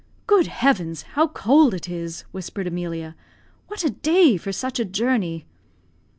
"Good heavens, how cold it is!" whispered Emilia. "What a day for such a journey!"